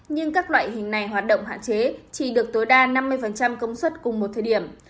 nhưng các loại hình này hoạt động hạn chế chỉ được tối đa năm mươi công suất cùng một thời điểm